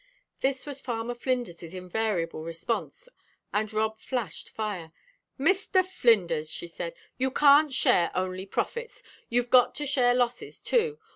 This was Farmer Flinders's invariable response, and Rob flashed fire. "Mr. Flinders," she said, "you can't share only profits you've got to share losses, too.